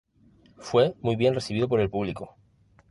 Fue muy bien recibido por el público.